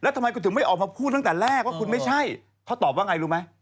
ว่าคุณไม่ใช่เขาตอบว่าไงรู้ไหม